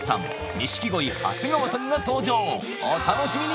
錦鯉長谷川さんが登場お楽しみに！